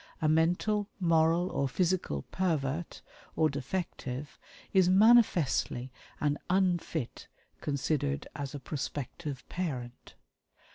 A mental, moral, or physical "pervert" or "defective" is manifestly an "unfit," considered as a prospective parent.